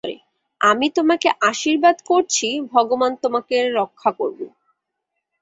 আমি তোমাকে আশীর্বাদ করছি, ভগবান তোমাকে রক্ষা করুন।